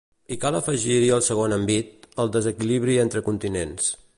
I cal afegir-hi el segon envit, el desequilibri entre continents.